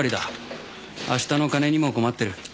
明日の金にも困ってる。